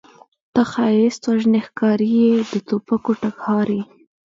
ته ښایست وژنې ښکارې یې د توپکو ټکهار یې